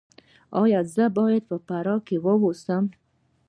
ایا زه باید په فراه کې اوسم؟